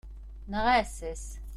Neɣ aɛessas.